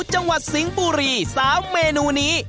จังหวัดสิงห์บุรี๓เมนูนี้